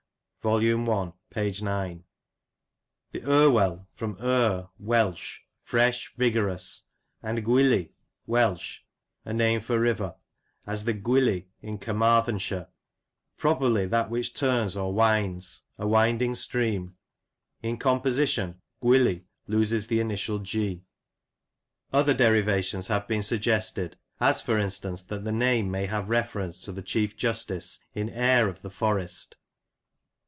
t : "The Irwell, from 7r, (Welsh,) fresh, vigorous ; and Gwili^ (Welsh,) a name for river, as the Gwili in Carmarthen shire ; properly that which turns or winds, — a winding stream. In composition, * gwili' loses the initial G." Other derivations have been suggested, as, for instance, that the name may have reference to the Chief Justice in " Eyre " of the Forest.